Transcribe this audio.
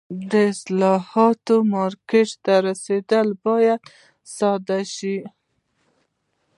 د حاصلاتو مارکېټ ته رسونه باید ساده شي.